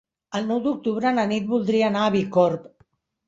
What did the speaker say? El nou d'octubre na Nit voldria anar a Bicorb.